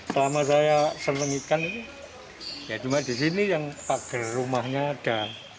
selama saya seneng ikan ya cuma di sini yang pagar rumahnya ada